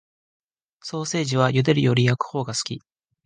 ソーセージは茹でるより焼くほうが好き